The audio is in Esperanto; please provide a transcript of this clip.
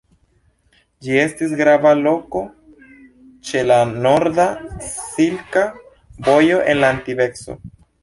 Ĝi estis grava loko ĉe la norda Silka Vojo en la antikveco.